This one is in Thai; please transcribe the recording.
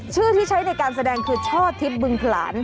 ชื่อที่ใช้ในการแสดงคือช่อทิพย์บึงผลาน